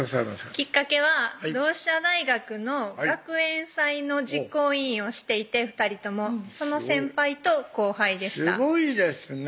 きっかけは同志社大学の学園祭の実行委員をしていて２人ともその先輩と後輩でしたすごいですね